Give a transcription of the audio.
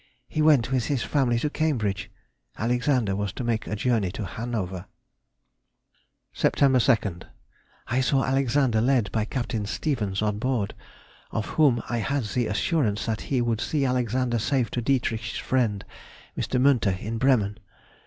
He went with his family to Cambridge. [Alexander was to make a journey to Hanover.] Sept. 2nd.—I saw Alexander led by Captain Stevens on board ... of whom I had the assurance that he would see Alexander safe to Dietrich's friend, Mr. Münter, in Bremen.